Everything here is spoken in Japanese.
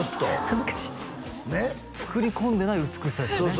恥ずかしい作り込んでない美しさですよね